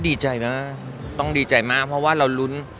ดีใจมากต้องดีใจมากเพราะว่าเรารุ้น